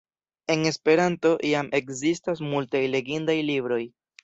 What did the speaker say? En Esperanto jam ekzistas multaj legindaj libroj.